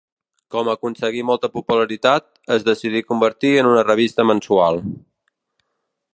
Com aconseguí molta popularitat, es decidí convertir en una revista mensual.